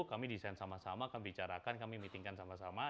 kami desain sama sama kami bicarakan kami meetingkan sama sama